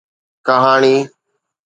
ڪهاڻي